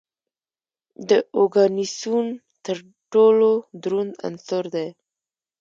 د اوګانیسون تر ټولو دروند عنصر دی.